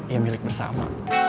ya milik bersama